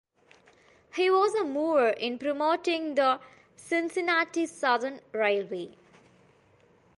He was a mover in promoting the Cincinnati Southern Railway.